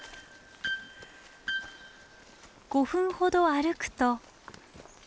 ５分ほど歩くと。